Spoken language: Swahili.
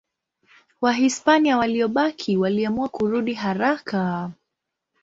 Wahispania waliobaki waliamua kurudi haraka.